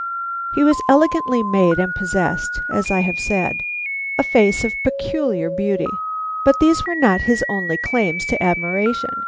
He was elegantly made and possessed, as I have said, a face of peculiar beauty. But these were not his only claims to admiration.